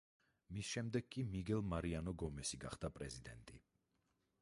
მის შემდეგ კი მიგელ მარიანო გომესი გახდა პრეზიდენტი.